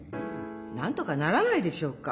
なんとかならないでしょうか。